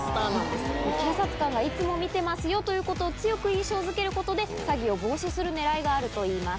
すごい。警察官がいつも見てますよということを強く印象づけることで詐欺を防止する狙いがあるといいます。